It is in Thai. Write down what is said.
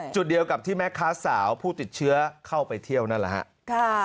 จุดเดียวกับที่แม่ค้าสาวผู้ติดเชื้อเข้าไปเที่ยวนั่นแหละครับ